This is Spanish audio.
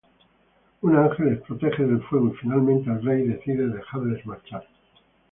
Un ángel les protege del fuego y finalmente el rey decide dejarles marchar.